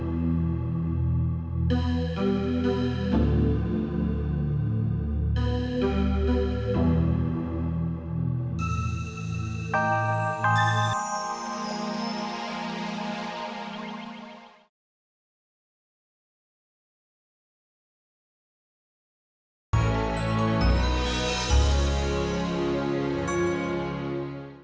bagaimana ya di linkas